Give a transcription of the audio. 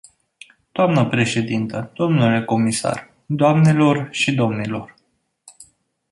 Dnă președintă, dle comisar, doamnelor și domnilor.